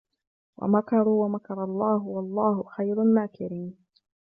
وَمَكَرُوا وَمَكَرَ اللَّهُ وَاللَّهُ خَيْرُ الْمَاكِرِينَ